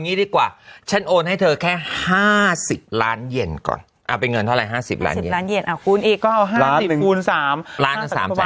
คุณอีก๙ล้าน๑คูณ๓ล้าง๓แปป๕๐ล้านเย็นก็ประมาณ๑๕ล้าน๑๕ล้าน